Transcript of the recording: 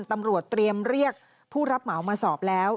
ตำรวจเตรียมเรียกผู้รับเหมามาสอบแล้ว